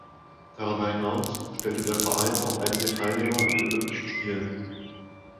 Darüber hinaus stellte der Verein auch einige Teilnehmer an den Olympischen Spielen.